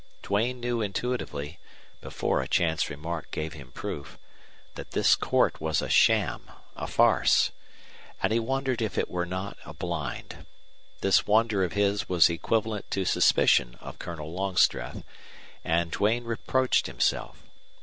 Duane knew intuitively, before a chance remark gave him proof, that this court was a sham, a farce. And he wondered if it were not a blind. This wonder of his was equivalent to suspicion of Colonel Longstreth, and Duane reproached himself.